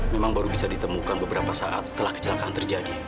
memang baru bisa ditemukan beberapa saat setelah kecelakaan terjadi